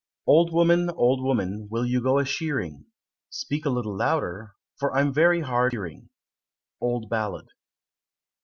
"Old woman, old woman, will you go a shearing? Speak a little louder, for I'm very hard of hearing." _Old Ballad.